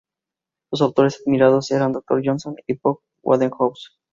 Sus escritores admirados eran Dr. Johnson y P. G. Wodehouse.